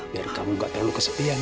biar kamu gak terlalu kesepian